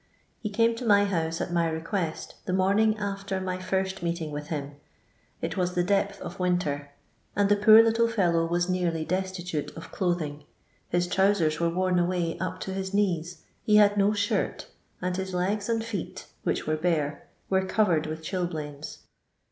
He came to my house, at my request, the morning after my first meeting with him. It was the depth of winter, and the poor little fellow was neariy destitute of clothing. His trousers were worn away up to his knees, he had no shirty and his legs and feet (which were bare) were covered with chilblains.